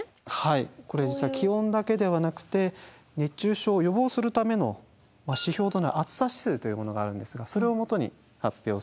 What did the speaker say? これ実は気温だけではなくて熱中症を予防するための指標となる暑さ指数というものがあるんですがそれを基に発表されています。